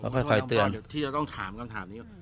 ค่อยเตือนที่จะต้องถามคำถามนี้